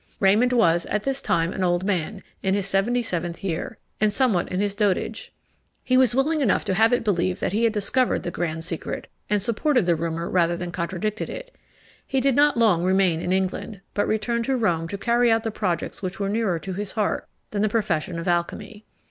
Raymond was, at this time, an old man, in his seventy seventh year, and somewhat in his dotage. He was willing enough to have it believed that he had discovered the grand secret, and supported the rumour rather than contradicted it. He did not long remain in England, but returned to Rome to carry out the projects which were nearer to his heart than the profession of alchymy.